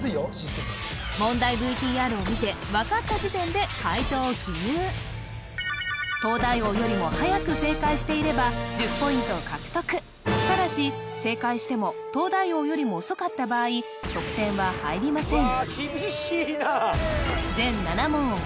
問題ＶＴＲを見て分かった時点で解答を記入東大王よりもはやく正解していれば１０ポイントを獲得ただし正解しても東大王よりも遅かった場合得点は入りません